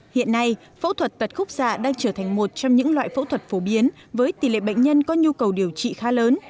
hiện nay phẫu thuật tật khúc xạ đang trở thành một trong những loại phẫu thuật phổ biến với tỷ lệ bệnh nhân có nhu cầu điều trị khá lớn